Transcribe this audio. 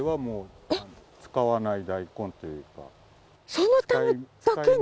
そのためだけに？